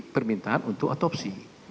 permintaan untuk otopsi